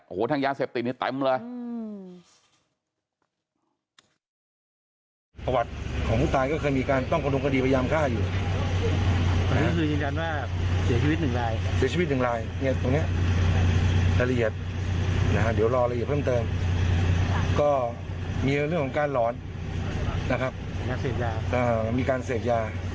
โอ้โหทางยาเสพติดเนี่ยเต็มเลย